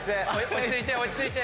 落ち着いて落ち着いて。